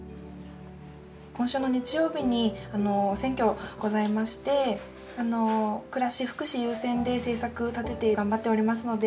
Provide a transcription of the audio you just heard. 今週の日曜日に選挙ございまして暮らし福祉優先で政策立てて頑張っておりますので。